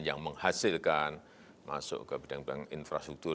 yang menghasilkan masuk ke bidang bidang infrastruktur